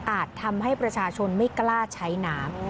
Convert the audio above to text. ทำให้ประชาชนไม่กล้าใช้น้ำ